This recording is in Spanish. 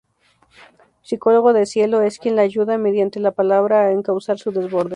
Psicólogo de Cielo, es quien la ayuda -mediante la palabra- a encauzar su desborde.